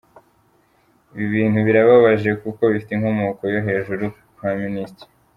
Ibi bintu birababaje kuko bifite inkomoko yo hejuru kwa Minister.